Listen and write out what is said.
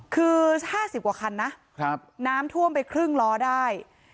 คือ๕๐กว่าคันนะน้ำท่วมไปครึ่งล้อได้